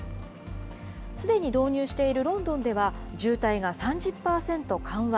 すでに導入しているロンドンでは、渋滞が３０％緩和。